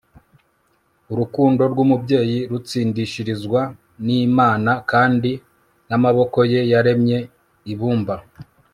urukundo rwumubyeyi rutsindishirizwa nimana, kandi namaboko ye yaremye ibumba